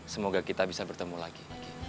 semoga kita bisa bertemu lagi